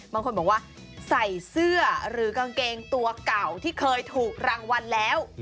บางคนบอกว่าใส่เสื้อหรือกางเกงตัวเก่าที่เคยถูกรางวัลแล้ว